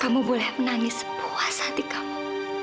kamu boleh menangis puas hati kamu